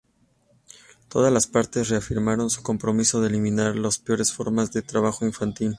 Todas las partes reafirmaron su compromiso de eliminar las peores formas de trabajo infantil.